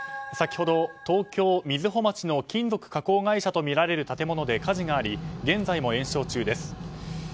先ほど東京・瑞穂町の金属加工会社とみられる建物で火事があり現在も延焼中です。